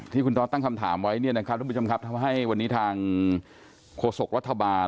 ที่คุณตอสต์ตั้งคำถามไว้ท่านผู้ชมครับทำให้วันนี้ทางโฆษกวัฒนาบาล